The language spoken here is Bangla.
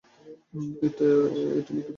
এই, এটা নিক্ষেপ করে।